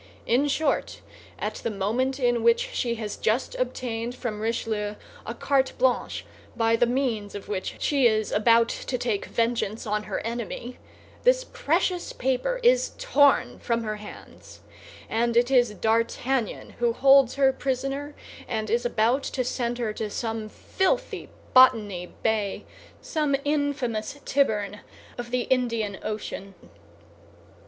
In short, at the moment in which she has just obtained from Richelieu a carte blanche by the means of which she is about to take vengeance on her enemy, this precious paper is torn from her hands, and it is D'Artagnan who holds her prisoner and is about to send her to some filthy Botany Bay, some infamous Tyburn of the Indian Ocean.